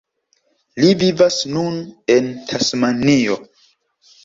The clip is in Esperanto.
Li vivas nun en Tasmanio.